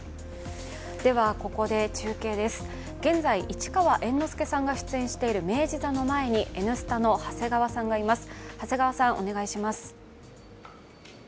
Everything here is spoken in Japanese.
ここで中継です、現在、市川猿之助さんが出演している明治座の前に「Ｎスタ」の長谷川さんがいます、お願いします。